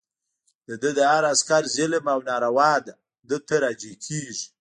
د ده د هر عسکر ظلم او ناروا ده ته راجع کېږي.